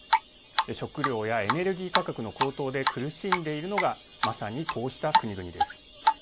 食料やエネルギー価格の高騰で苦しんでいるのがまさにこうした国々です。